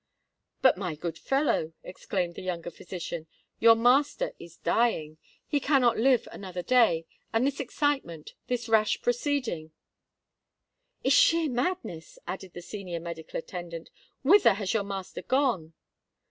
"But, my good fellow," exclaimed the younger physician, "your master is dying—he cannot live another day; and this excitement—this rash proceeding——" "Is sheer madness!" added the senior medical attendant. "Whither has your master gone?"